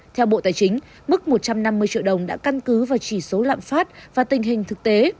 theo bộ tài chính mức một trăm năm mươi triệu đồng đã căn cứ vào chỉ số lạm phát và tình hình thực tế